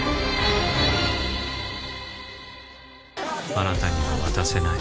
あなたには渡せない。